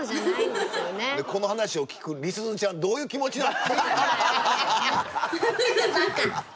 でこの話を聞くりすずちゃんどういう気持ちなの？